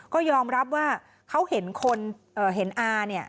ก็ยอมรับว่าเขาเห็นคนเห็นอาเนี่ย